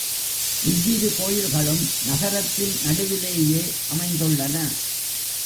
இவ்விரு கோயில்களும் நகரத்தின் நடுவிலேயே அமைந்துள்ளன.